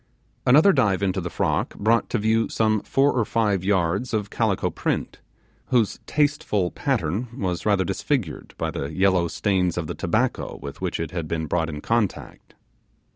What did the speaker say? Another dive into the frock brought to view some four or five yards of calico print, whose tasteful pattern was rather disfigured by the yellow stains of the tobacco with which it had been brought in contact.